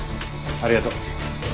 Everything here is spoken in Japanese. ありがとう。